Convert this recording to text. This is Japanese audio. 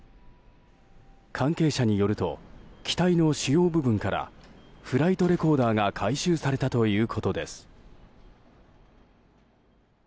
関係者によると機体の主要部分からフライトレコーダーが回収されたということです。